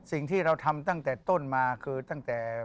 สิ่งที่เราทำตั้งแต่ต้นมาคือตั้งแต่